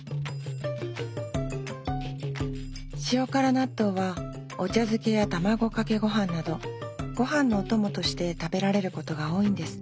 塩辛納豆はお茶漬けや卵かけ御飯など御飯のお供として食べられることが多いんですって。